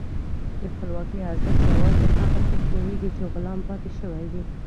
د خپلواکۍ ارزښت یوازې هغه څوک پوهېږي چې غلام پاتې شوي وي.